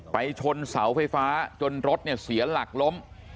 ชนเสาไฟฟ้าจนรถเนี่ยเสียหลักล้ม